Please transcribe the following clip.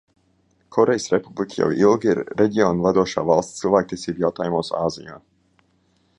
Korejas Republika jau ilgi ir reģiona vadošā valsts cilvēktiesību jautājumos Āzijā.